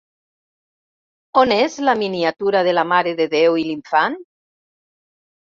On és la miniatura de la Mare de Déu i l'Infant?